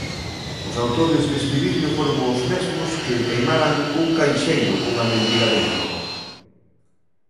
Os autores deste vídeo foron os mesmo que queimaran un caixeiro cunha mendiga dentro.